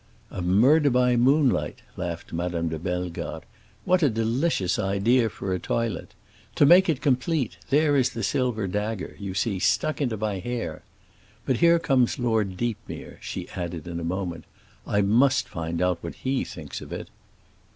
"A murder by moonlight," laughed Madame de Bellegarde. "What a delicious idea for a toilet! To make it complete, there is the silver dagger, you see, stuck into my hair. But here comes Lord Deepmere," she added in a moment. "I must find out what he thinks of it."